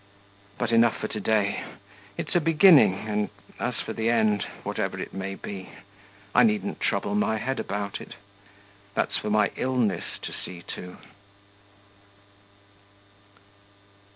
But enough for to day. It's a beginning, and as for the end, whatever it may be, I needn't trouble my head about it. That's for my illness to see to.